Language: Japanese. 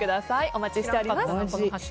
お待ちしております。